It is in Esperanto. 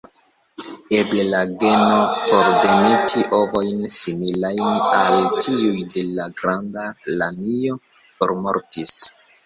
Eble la geno por demeti ovojn similajn al tiuj de la Granda lanio formortis.